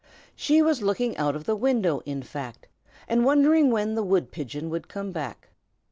She was looking out of the window, in fact, and wondering when the wood pigeon would come back.